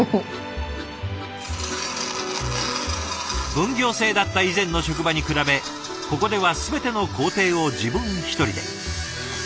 分業制だった以前の職場に比べここでは全ての工程を自分一人で。